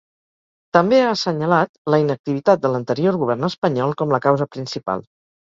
També ha assenyalat la inactivitat de l’anterior govern espanyol com la causa principal.